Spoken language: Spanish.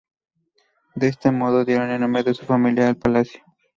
De este modo dieron el nombre de su familia al palacio.